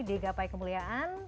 di gapai kemuliaan